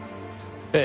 ええ。